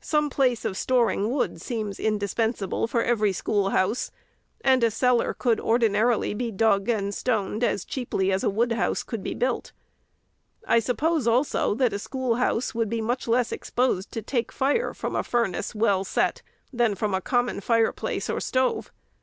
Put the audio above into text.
Some place of storing wood seems indis pen sable for every schoolhouse, and a cellar could ordina rily be dug and stoned as cheaply as a woodhouse could be built. I suppose, also, that a schoolhouse would be much less exposed to take fire from a furnace well set, than from a common fireplace or stove.